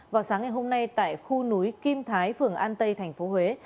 vào sáng ngày hôm nay tại khu núi kim thái phường an tây thành phố huế